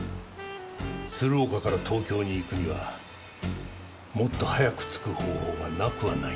鶴岡から東京に行くにはもっと早く着く方法がなくはないんだ。